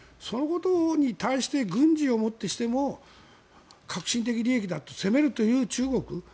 そのことに対して軍事をもってしても核心的利益だと攻める中国。